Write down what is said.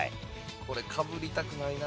これかぶりたくないな。